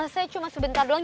saya cuma sebentar doang